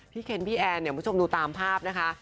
พี่เคนพี่แอนคุณผู้ชมดูตามภาพนะคะ